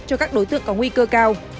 cho các đối tượng có nguy cơ cao